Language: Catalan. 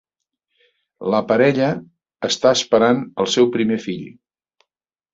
La parella està esperant el seu primer fill.